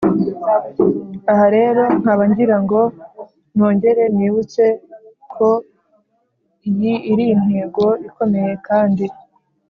Aha rero nkaba ngira ngo nogere nibutse ko iyi iri intego ikomeye kandi